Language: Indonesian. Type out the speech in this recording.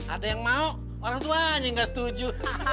ada yang mau orang tuanya gak setuju